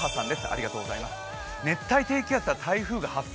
ありがとうございます。